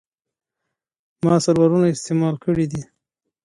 ما سرورونه استعمال کړي دي.